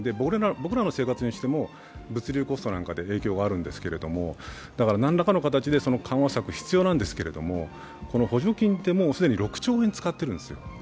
僕らの生活にしても、物流コストなどで影響があるんですけれども、だから何らかの形で緩和策が必要なんですが補助金ってもう６兆円使ってるんですよ。